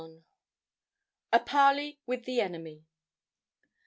A PARLEY WITH THE ENEMY.